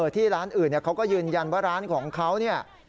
ที่ร้านอื่นเขาก็ยืนยันว่าร้านของเขาเนี่ย